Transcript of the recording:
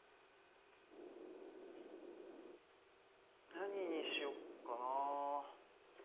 何にしよっかな。